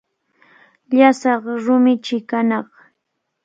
Llasaq rumichi kanaq.